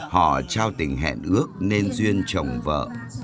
họ trao tình hẹn ước nên duyên chồng vợ